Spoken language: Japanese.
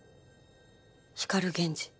光源氏。